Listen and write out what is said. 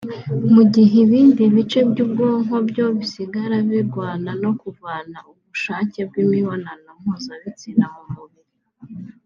mu gihe ibindi bice by’ubwonko byo bisigara birwana no kuvana ubushake bw’imibonano mpuzabitsina mu mubiri